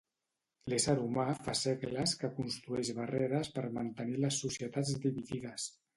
L'ésser humà fa segles que construeix barreres per mantenir les societats dividides